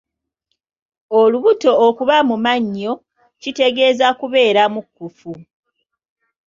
Olubuto okuba mu mannyo kitegeeza kubeera mukkufu..